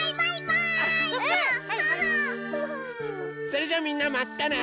それじゃあみんなまたね！